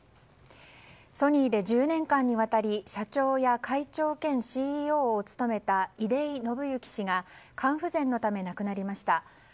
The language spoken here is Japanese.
ソニーで１０年間にわたり社長や会長兼ＣＥＯを務めた出井伸之氏が肝不全のため亡くなりました。